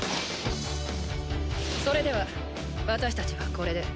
それでは私たちはこれで。